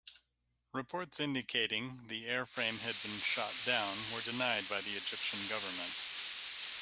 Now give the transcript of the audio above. Reports indicating the airframe had been shot down were denied by the Egyptian government.